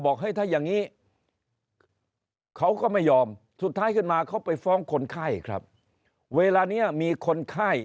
เฮ้ยถ้าอย่างนี้เขาก็ไม่ยอมสุดท้ายขึ้นมาเขาไปฟ้องคนไข้ครับเวลานี้มีคนไข้